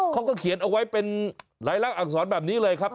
เขาก็เขียนเอาไว้เป็นหลายลักษณ์อักษรแบบนี้เลยครับ